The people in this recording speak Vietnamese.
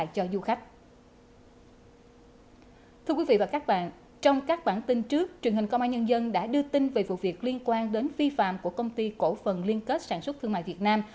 thưa quý vị và các bạn trong các bản tin trước truyền hình công an nhân dân đã đưa tin về vụ việc liên quan đến vi phạm của công ty cổ phần liên kết sản xuất thương mại việt nam